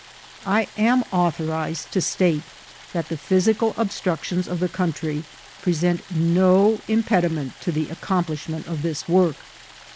I am authorized to state that the physical obstruc* tions of the country present no impediment to the ac» oomplishment of this work.